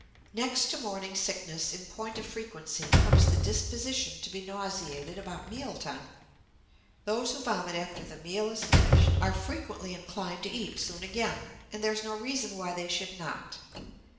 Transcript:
Next to morning sickness in point of frequency comes the disposition to be nauseated about meal time. Those who vomit after the meal is finished are frequently inclined to eat soon again; and there is no reason why they should not.